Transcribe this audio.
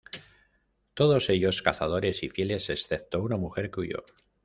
Todos ellos cazadores y fieles, excepto una mujer que huyó.